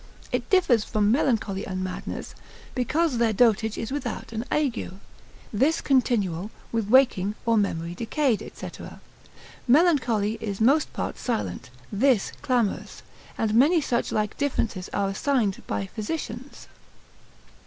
It differs from melancholy and madness, because their dotage is without an ague: this continual, with waking, or memory decayed, &c. Melancholy is most part silent, this clamorous; and many such like differences are assigned by physicians.